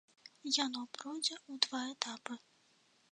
Яно пройдзе ў два этапы.